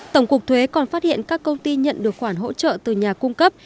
tổng cục thuế còn phát hiện các công ty nhận được khoản hỗ trợ từ nhà cung cấp